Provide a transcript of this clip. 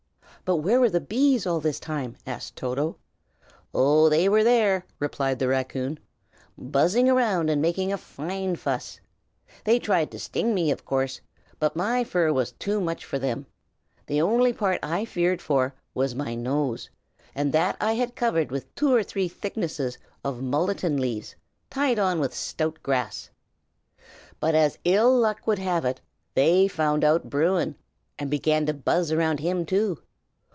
"But where were the bees all the time?" asked Toto. "Oh, they were there!" replied the raccoon, "buzzing about and making a fine fuss. They tried to sting me, of course, but my fur was too much for them. The only part I feared for was my nose, and that I had covered with two or three thicknesses of mullein leaves, tied on with stout grass. But as ill luck would have it, they found out Bruin, and began to buzz about him, too.